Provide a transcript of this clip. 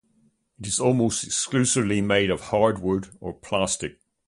It is almost exclusively made of hardwood or plastic.